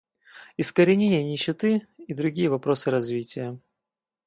Искоренение нищеты и другие вопросы развития.